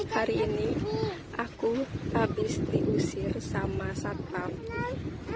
hari ini aku habis diusir sama satpam